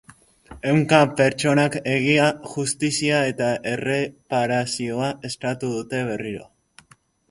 Ehunka pertsonak egia, justizia eta erreparazioa eskatu dute berriro.